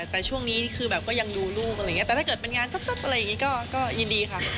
แต่ช่วงนี้ก็ยังดูลูกแต่ถ้าเกิดเป็นงานแดดก็ยืนดีครับ